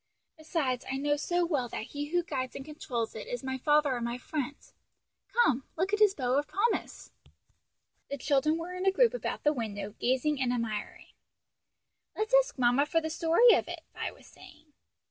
Besides, I know so well that he who guides and controls it is my Father and my Friend. Come, look at his bow of promise." The children were in a group about the window, gazing and admiring. "Let's ask mamma for the story of it," Vi was saying.